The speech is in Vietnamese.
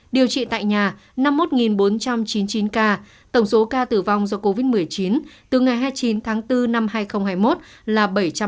điều trị tại nhà năm mươi một bốn trăm chín mươi chín ca tổng số ca tử vong do covid một mươi chín từ ngày hai mươi chín tháng bốn năm hai nghìn hai mươi một là bảy trăm tám mươi ca